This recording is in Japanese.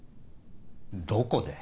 どこで？